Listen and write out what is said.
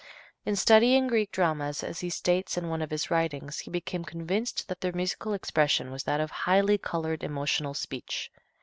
In studying Greek dramas, as he states in one of his writings, he became convinced that their musical expression was that of highly colored emotional speech.